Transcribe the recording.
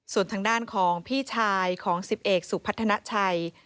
ส่วนทางด้านของพี่ชายของ๑๐เอกสุพัฒนาชัย